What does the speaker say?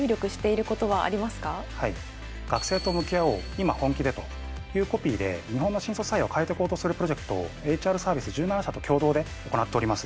いま、本気で。」というコピーで日本の新卒採用を変えていこうとするプロジェクトをＨＲサービス１７社と共同で行っております。